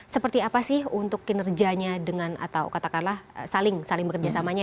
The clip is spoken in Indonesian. seperti apa sih untuk kinerjanya dengan atau katakanlah saling bekerja samanya